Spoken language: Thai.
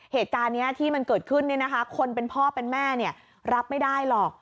เหตุการณ์นี้ที่มันเกิดขึ้นเนี่ยนะคะคนเป็นพ่อเป็นแม่เนี่ยรับไม่ได้หรอก